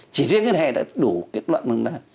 chỉ riêng cái này đã đủ kết luận